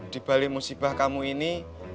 di balik musibah kamu ini